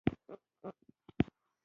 بایسکل د اوږده عمر راز دی.